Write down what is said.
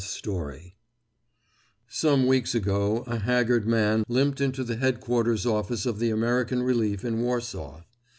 STORY Some weeks ago a haggard man limped into the headquarters office of the American Relief in Warsaw.